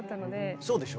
そうでしょ。